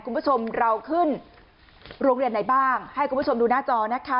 คุณผู้ชมเราขึ้นโรงเรียนไหนบ้างให้คุณผู้ชมดูหน้าจอนะคะ